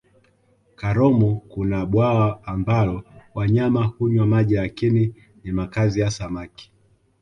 karomo kuna bwawa ambalo wanyama hunywa maji lakini ni makazi ya samaki